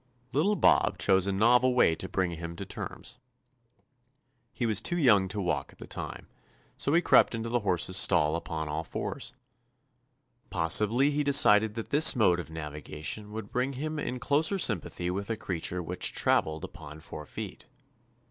Little Bob chose a novel way to bring him to terms. He was too young to walk at the time, so he crept into the horse's stall upon all fours. Possibly he de cided that this mode of navigation would bring him in closer sympathy with a creature which travelled upon four feet.